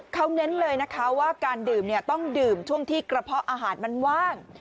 เขาเน้นเลยนะคะว่าการดื่มต้องดื่มช่วงที่กระเพาะอาหารมันว่าง